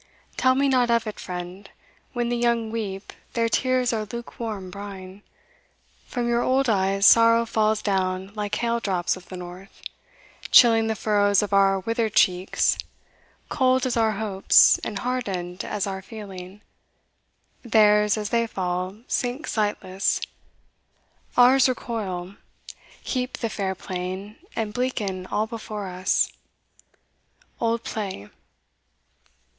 Tell me not of it, friend when the young weep, Their tears are luke warm brine; from your old eyes Sorrow falls down like hail drops of the North, Chilling the furrows of our withered cheeks, Cold as our hopes, and hardened as our feeling Theirs, as they fall, sink sightless ours recoil, Heap the fair plain, and bleaken all before us. Old Play.